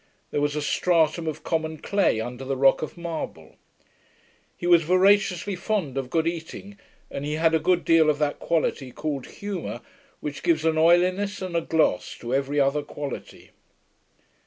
There was a stratum of common clay under the rock of marble. He was voraciously fond of good eating; and he had a great deal of that quality called humour, which gives an oiliness and a gloss to every other quality.